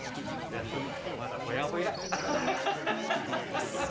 やっとね。